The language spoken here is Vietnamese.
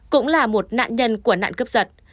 cũng là một nạn nhân của nạn cướp giật